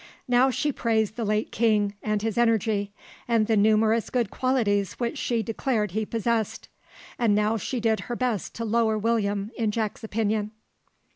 Now she praised the late king, and his energy, and the numerous good qualities which she declared he possessed; and now she did her best to lower William in Jack's opinion.